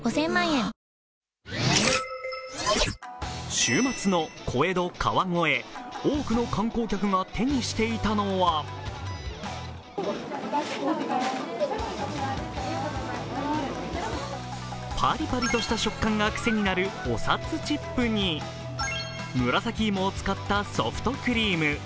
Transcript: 週末の小江戸・川越、多くの観光客が手にしていたのはパリパリとした食感がクセになるおさつチップに紫芋を使ったソフトクリーム。